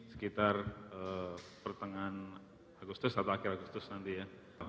sekitar pertengahan agustus atau akhir agustus nanti ya